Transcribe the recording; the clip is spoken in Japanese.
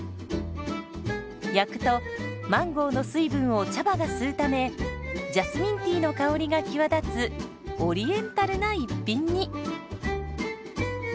焼くとマンゴーの水分を茶葉が吸うためジャスミンティーの香りが際立つオリエンタルな一品に。